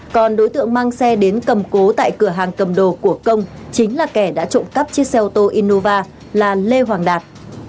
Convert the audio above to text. còn đối tượng mang xe đến cầm cố tại cửa hàng cầm đồ của công chính là kẻ đã trộm cắp chiếc xe ô tô innova là lê hoàng đạt